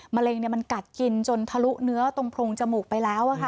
เร็งมันกัดกินจนทะลุเนื้อตรงโพรงจมูกไปแล้ว